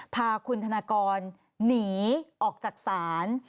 พาคุณธนากรหนีออกจากศาล